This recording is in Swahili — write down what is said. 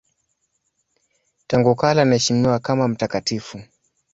Tangu kale anaheshimiwa kama mtakatifu.